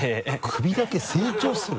首だけ成長する？